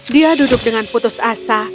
dia duduk dengan putus asa